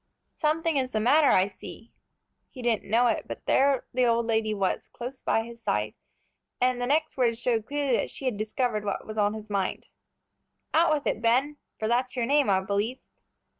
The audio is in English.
"Something is the matter, I see." He didn't know it, but there the old lady was, close by his side, and the next words showed clearly that she had discovered what was on his mind. "Out with it, Ben, for that's your name, I believe."